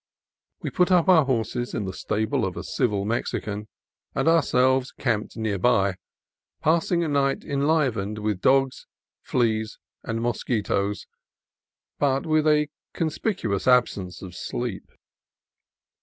We put up our horses in the stable of a civil Mexican, and ourselves camped near by, passing a night enlivened with dogs, fleas, and mosquitoes, but with a conspicu ous absence of sleep.